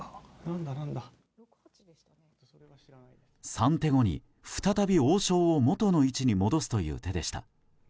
３手後に再び王将を元の位置に戻すという手でした。